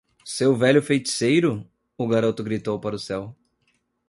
"Seu velho feiticeiro?" o garoto gritou para o céu.